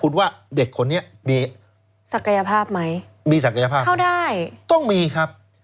คุณว่าเด็กคนนี้มีศักยภาพไหมมีศักยภาพเข้าได้ต้องมีครับ